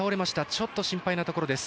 ちょっと心配なところです。